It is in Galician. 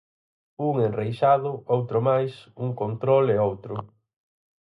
Un enreixado, outro máis, un control e outro.